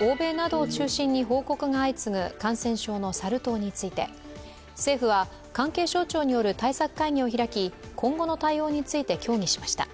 欧米などを中心に報告が相次ぐ感染症のサル痘について、政府は関係省庁による対策会議を開き、今後の対応について協議しました。